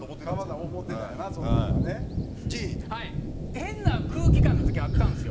変な空気感の時あったんですよ。